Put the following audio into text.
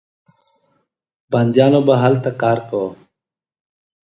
بندیانو به هلته کار کاوه.